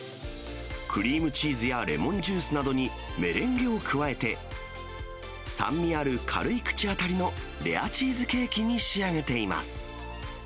クリームチーズやレモンジュースなどにメレンゲを加えて、酸味ある軽い口当たりのレアチーズケーキに仕上げています。